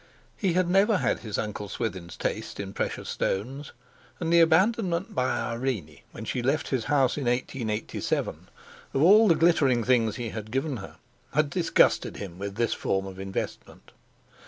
He had never had his Uncle Swithin's taste in precious stones, and the abandonment by Irene when she left his house in 1887 of all the glittering things he had given her had disgusted him with this form of investment.